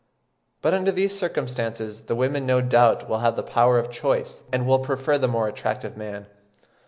But under these circumstances the women no doubt will have the power of choice, and will prefer the more attractive men.